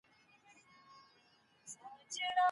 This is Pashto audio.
پرتله ایز جاج د حقایقو په موندلو کي مرسته کوي.